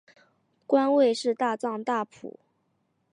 官位是大藏大辅。